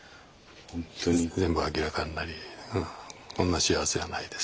全部明らかになりこんな幸せはないです。